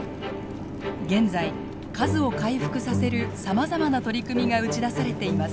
現在数を回復させるさまざまな取り組みが打ち出されています。